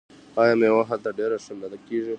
آیا میوه هلته ډیره ښه نه کیږي؟